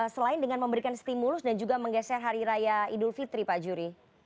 selain dengan memberikan stimulus dan juga menggeser hari raya idul fitri pak juri